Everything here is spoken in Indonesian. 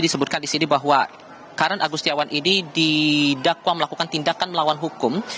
disebutkan di sini bahwa karen agustiawan ini didakwa melakukan tindakan melawan hukum